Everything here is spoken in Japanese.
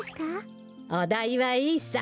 おだいはいいさ。